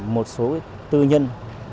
một số tư nhân